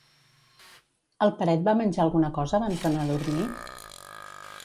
El Peret va menjar alguna cosa abans d'anar a dormir?